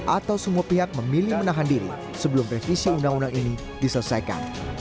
atau semua pihak memilih menahan diri sebelum revisi undang undang ini diselesaikan